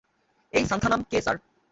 এই সান্থানাম কে, স্যার?